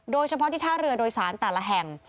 โดยเฉพาะที่ท่าเรือโดยสารแต่ละแห่ง